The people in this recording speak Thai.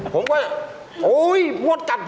ผมก็โอ๊ยมวดกัดผมค่ะ